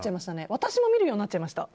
私も見るようになっちゃいました。